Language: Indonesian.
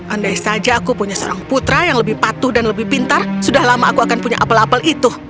andai saja aku punya seorang putra yang lebih patuh dan lebih pintar sudah lama aku akan punya apel apel itu